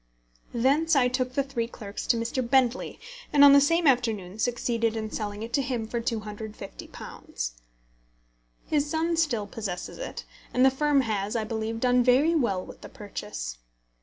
Thence I took The Three Clerks to Mr. Bentley; and on the same afternoon succeeded in selling it to him for £250. His son still possesses it, and the firm has, I believe, done very well with the purchase.